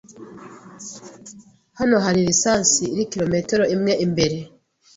Hano hari lisansi iri kilometero imwe imbere.